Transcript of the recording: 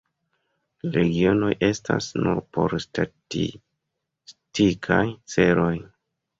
Regionoj estas nur por statistikaj celoj.